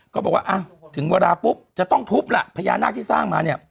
ก็บอกว่าถึงเวลาปุ๊บจะต้องทุบล่ะพญานาคที่สร้างมาเนี่ย